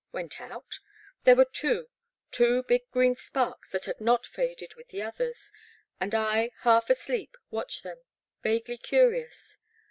Went out ? There were two — two big green sparks that had not faded with the others, and I, half asleep, watched them, vaguely curious.